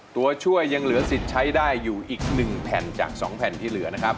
ตัวช่วยยังเหลือสิทธิ์ใช้ได้อยู่อีก๑แผ่นจาก๒แผ่นที่เหลือนะครับ